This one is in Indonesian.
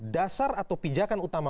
dasar atau pijakan utama